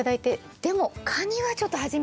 でもカニはちょっと初めてで。